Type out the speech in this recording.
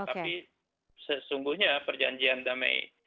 tapi sesungguhnya perjanjian damai